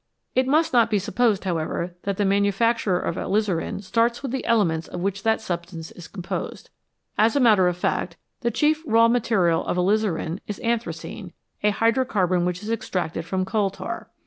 It must not be supposed, however, that the manufacturer of alizarin starts with the elements of which that substance is composed. As a matter of fact, the chief raw material of alizarin is anthracene, a hydrocarbon which is extracted from coal tar.